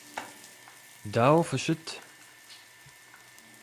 Дауэ фыщыт?